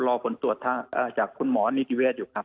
รอผลตรวจจากคุณหมอนิทริเวชครับ